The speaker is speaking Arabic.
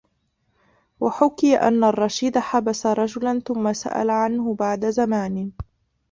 وَحُكِيَ أَنَّ الرَّشِيدَ حَبَسَ رَجُلًا ثُمَّ سَأَلَ عَنْهُ بَعْدَ زَمَانٍ